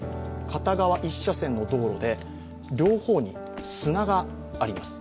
片側１車線の道路で両方に砂があります。